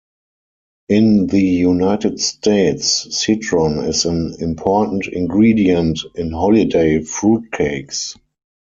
In the United States, citron is an important ingredient in holiday fruit cakes.